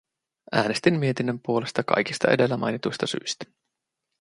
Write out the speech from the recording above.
Äänestin mietinnön puolesta kaikista edellä mainituista syistä.